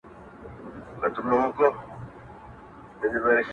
سترگو کي باڼه له ياده وباسم”